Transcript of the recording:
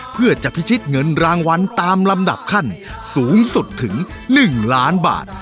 เพื่อจะพิชิตเงินรางวัลตามลำดับขั้นสูงสุดถึง๑ล้านบาท